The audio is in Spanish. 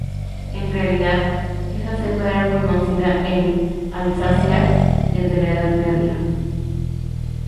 En realidad, esa cepa era conocida en Alsacia desde la Edad Media.